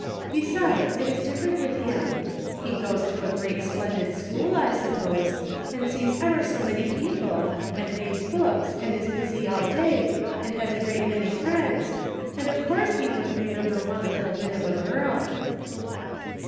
Besides, it is different with him. He goes to a great splendid school, I sup pose, and sees ever so many people, and reads books, and is busy all day, and has a great many friends, and of course he wouldn't remember one little bit of a girl."